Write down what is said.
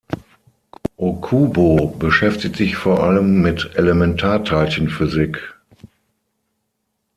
Ōkubo beschäftigt sich vor allem mit Elementarteilchenphysik.